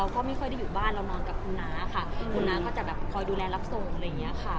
เราก็ไม่ค่อยได้อยู่บ้านเรานอนกับคุณน้าค่ะคุณน้าก็จะตดูแลรับส่งนะค่ะ